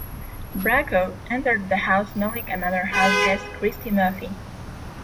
Bracco entered the house knowing another houseguest Christie Murphy.